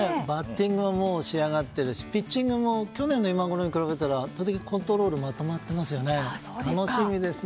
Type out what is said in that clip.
バッティングはもう仕上がってるしピッチングも去年の今ごろに比べたらコントロールまとまってますよね。